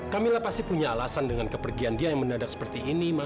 kamila pasti punya alasan dengan kepergian dia yang menadak seperti ini ma